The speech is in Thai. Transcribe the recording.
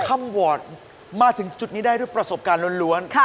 คำวอร์ดมาถึงจุดนี้ได้ด้วยประสบการณ์ล้วน